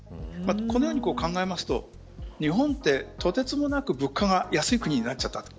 このように考えますと日本って、とてつもなく物価が安い国になっちゃった。